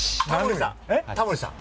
タモリさん。